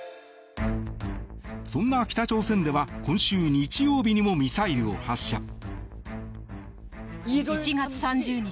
そんな北朝鮮では今週日曜日にもミサイルを発射。